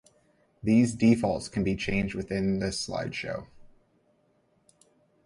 These defaults can be changed within the slide show.